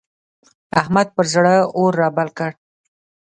احمد پر زړه اور رابل کړ.